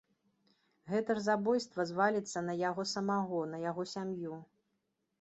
Гэта ж забойства зваліцца на яго самога, на яго сям'ю.